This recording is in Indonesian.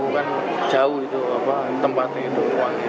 kan jauh tempatnya itu